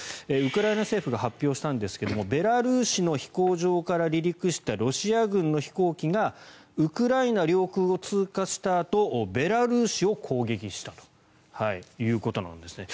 ウクライナ政府が発表したんですがベラルーシの飛行場から離陸したロシア軍の飛行機がウクライナ領空を通過したあとベラルーシを攻撃したということです。